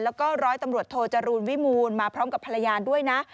แล้วก็ร้อยตำรวจโทจรูลวิมูลมาพร้อมกับภรรยาด้วยนะ